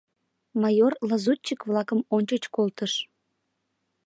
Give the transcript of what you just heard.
Майор лазутчик-влакым ончыч колтыш.